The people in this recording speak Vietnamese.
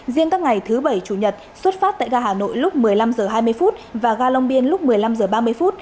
riêng các ngày thứ bảy chủ nhật xuất phát tại ga hà nội lúc một mươi năm h hai mươi và ga long biên lúc một mươi năm h ba mươi